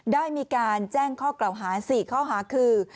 ได้มีการแจ้งข้อกล่าวหา๔ข้อหาคือ